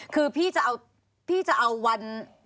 คือพี่จะเอาวัน